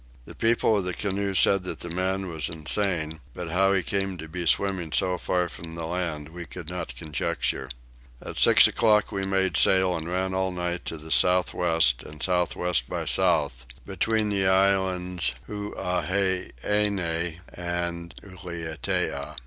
The people of the canoe said that the man was insane, but how he came to be swimming so far from the land we could not conjecture. At six o'clock we made sail and ran all night to the south west and south west by south, between the islands Huaheine and Ulietea.